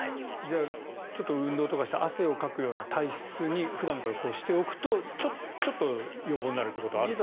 ちょっと運動とかして汗をかくような体質に普段からしておくとちょっと予防になるってことはあるんですか？